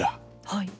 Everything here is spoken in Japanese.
はい。